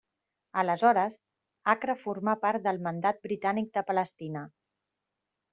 Aleshores, Acre formà part del Mandat Britànic de Palestina.